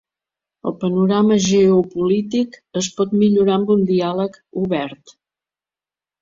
El panorama geopolític es pot millorar amb un diàleg obert.